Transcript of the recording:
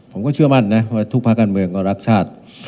ผมก็เชื่อมั่นนะว่าทุกภาคการเมืองก็รักชาติ